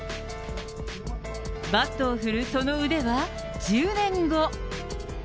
バットを振るその腕は、１０年後。